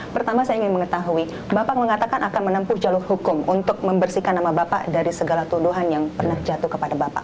pertama saya ingin mengetahui bapak mengatakan akan menempuh jalur hukum untuk membersihkan nama bapak dari segala tuduhan yang pernah jatuh kepada bapak